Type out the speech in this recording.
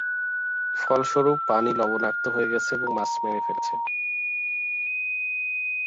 ফলস্বরূপ পানি লবণাক্ত হয়ে গেছে এবং মাছ মেরে ফেলেছে।